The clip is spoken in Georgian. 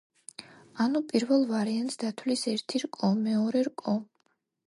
ანუ, პირველ ვარიანტს დათვლის ერთი რკო, მეორე რკო.